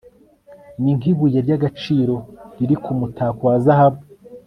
ni nk'ibuye ry'agaciro riri ku mutako wa zahabu